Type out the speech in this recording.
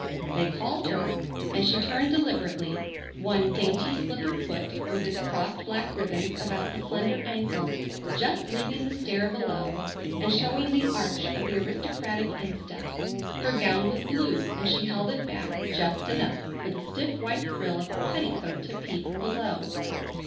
They called her, and she turned deliberately, one dainty, slippered foot, with its crossed black ribbons about the slender ankle, just leaving the stair below, and showing the arch of the aristocratic instep. Her gown was blue and she held it back just enough for the stiff white frill of her petticoat to peep below.